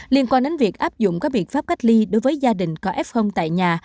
liên quan đến việc áp dụng các biện pháp cách ly đối với gia đình có f tại nhà